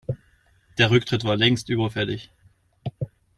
Der Rücktritt war längst überfällig.